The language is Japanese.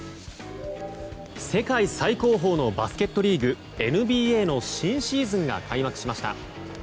世界最高峰のバスケットリーグＮＢＡの新シーズンが開幕しました。